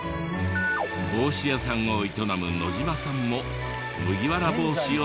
帽子屋さんを営む野島さんも麦わら帽子を作ってきた。